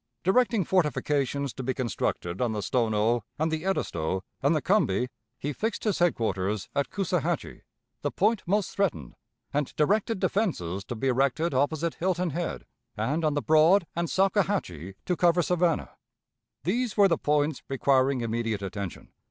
Directing fortifications to be constructed on the Stono and the Edisto and the Combahee, he fixed his headquarters at Coosawhatchee, the point most threatened, and directed defenses to be erected opposite Hilton Head, and on the Broad and Salkehatchie, to cover Savannah. These were the points requiring immediate attention.